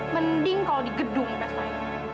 mending kalau di gedung pesta itu